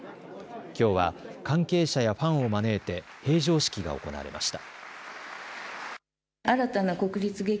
きょうは関係者やファンを招いて閉場式が行われました。